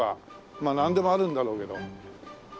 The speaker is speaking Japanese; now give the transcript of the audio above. まあなんでもあるんだろうけど。